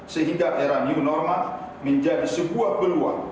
sehingga era new normal menjadi sebuah peluang